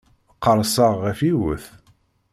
Qerrseɣ ɣef yiwet.